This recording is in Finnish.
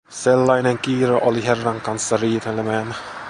Sellainen kiire oli herran kanssa riitelemään.